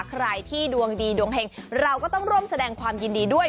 ใครที่ดวงดีดวงเห็งเราก็ต้องร่วมแสดงความยินดีด้วย